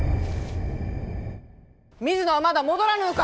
水野はまだ戻らぬのか！